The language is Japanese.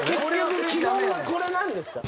基本はこれなんですから。